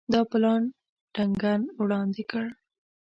دا پلان ډنکن وړاندي کړ.